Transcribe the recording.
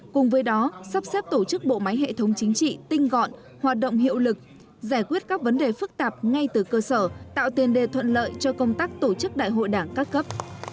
cùng với đó sắp xếp tổ chức bộ máy hệ thống chính trị tinh gọn hoạt động hiệu lực giải quyết các vấn đề phức tạp ngay từ cơ sở tạo tiền đề thuận lợi cho công tác tổ chức đại hội đảng các cấp